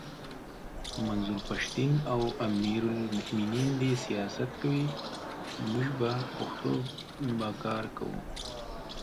منظور پښتین او امیر المومنین دي سیاست کوي موږ به پښتو به کار کوو!